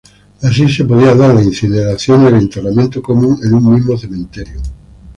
Así, se podía dar la incineración y el enterramiento común en un mismo cementerio.